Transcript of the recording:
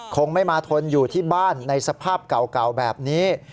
คงไม่มาทนอยู่ที่บ้านในสภาพเก่าแบบนี้